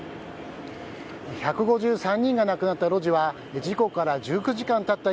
１５３人が亡くなった路地は事故から１９時間たった